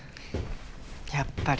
やっぱり。